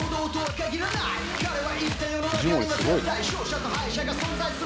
「彼は言った世の中には絶対勝者と敗者が存在する」